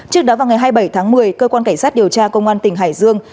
trước đó vào ngày hai mươi bảy tháng một mươi cơ quan cảnh sát điều tra công an tỉnh hải dương